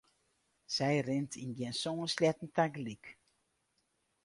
Sy rint yn gjin sân sleatten tagelyk.